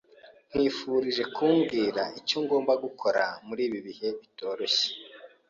[S] Nkwifurije kumbwira icyo ngomba gukora muri ibi bihe bitoroshye.